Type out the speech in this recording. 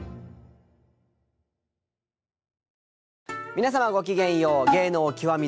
皆さんごきげんよう。